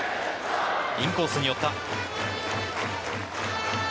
インコースに寄った。